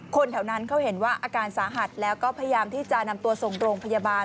คนแถวนั้นเขาเห็นว่าอาการสาหัสแล้วก็พยายามที่จะนำตัวส่งโรงพยาบาล